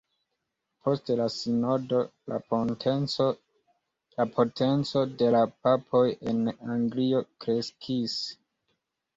Post la sinodo la potenco de la papoj en Anglio kreskis.